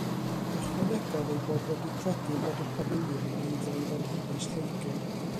Ychwanegodd ei bod wedi credu bod y pafiliwn yn eiddo i Frenhines Lloegr.